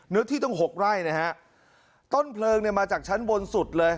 เนื้อที่ต้องหกไร่นะฮะต้นเพลิงเนี่ยมาจากชั้นบนสุดเลย